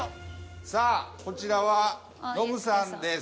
さあこちらはノブさんです。